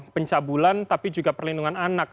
pencabulan tapi juga perlindungan anak